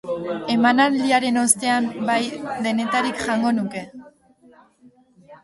Emanaldiaren ostean, bai, denetarik jango nuke.